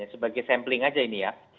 sebagai sampling aja ini ya